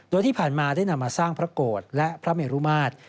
โดยที่ผ่านมาได้นำมาสร้างพระโกรธและพระเมรุมาตร